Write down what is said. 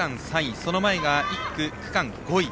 その前が１区、区間５位。